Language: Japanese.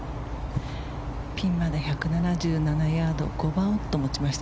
ピンまで１７７ヤード５番ウッドを持ちました。